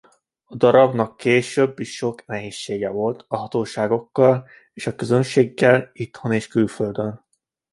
A darabnak később is sok nehézsége volt a hatóságokkal és közönséggel itthon és külföldön.